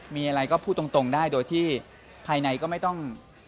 มีอะไรก็พูดตรงได้โดยที่ภายในก็ไม่ต้อง